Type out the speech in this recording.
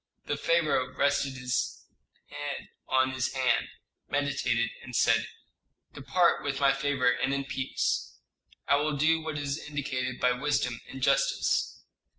The pharaoh rested his head on his hand, meditated, and said, "Depart with my favor and in peace. I will do what is indicated by wisdom and justice."